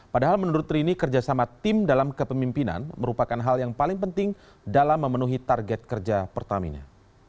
padahal menurut rini kerjasama tim dalam kepemimpinan merupakan hal yang paling penting dalam memenuhi target kerja pertamina